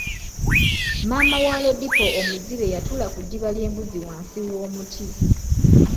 Maama wa Lodipo omuzibe yatuula ku ddiba ly'embuzi wansi w'omuti.